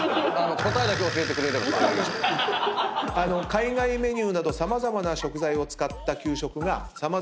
海外メニューなど様々な食材を使った給食が様々ありますが。